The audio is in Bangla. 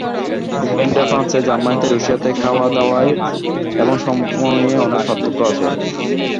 ইংলণ্ডে, ফ্রান্সে, জার্মানীতে, রুশিয়াতে খাওয়া-দাওয়ায় এবং সময়ে অনেক পার্থক্য আছে।